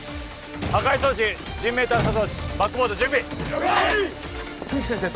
破壊装置人命探査装置バックボード準備了解！